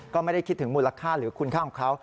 ก็ไม่ได้คิดถึงมูลค่าหรือคุณค่าของเขา